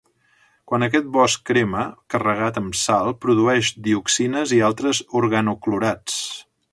Quan aquest bosc crema carregat amb sal produeix dioxines i altres organoclorats.